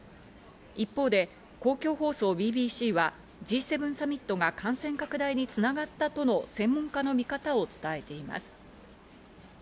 一方で、公共放送ＢＢＣはＧ７サミットが感染拡大に繋がったとの専門家の見方を伝えています。